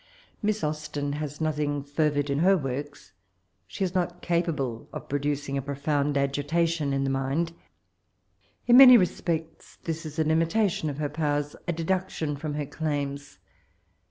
Miss Aosten has nothing fervid in her work& She is not cajxabie of producing a profound agitation in the mind. In many respects this is a limitation of her powers, a dedaction from her claims.